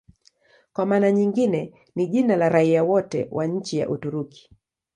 Kwa maana nyingine ni jina la raia wote wa nchi ya Uturuki.